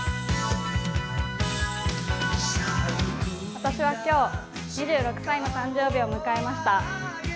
私は今日、２６歳の誕生日を迎えました。